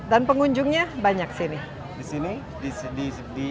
dan pengunjungnya banyak di sini